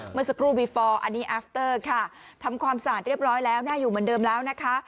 เมื่อสักครู่วีฟอร์อันนี้อัฟเตอร์ค่ะทำความสะอาดเรียบร้อยแล้วน่าอยู่เหมือนเดิมแล้วนะคะ